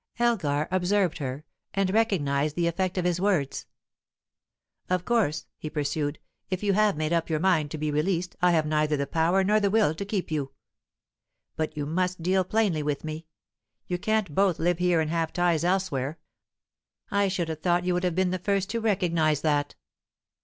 Elgar observed her, and recognized the effect of his words. "Of course," he pursued, "if you have made up your mind to be released, I have neither the power nor the will to keep you. But you must deal plainly with me. You can't both live here and have ties elsewhere. I should have thought you would have been the first to recognize that."